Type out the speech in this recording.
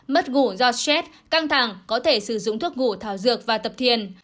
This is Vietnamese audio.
mất ngủ do stress căng thẳng có thể sử dụng thuốc ngủ thảo dược và tập thiền